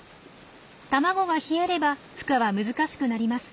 卵が冷えればふ化は難しくなります。